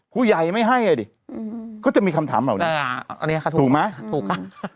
ผู้ใหญ่ไม่ให้อะดิก็จะมีคำถามเหล่านี้ถูกไหมถูกค่ะ